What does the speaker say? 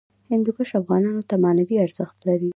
هندوکش افغانانو ته معنوي ارزښت لري.